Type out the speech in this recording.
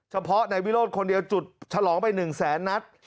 เฉพาะในวิโรธคนเดียวจุดฉลองไป๑แสนนัด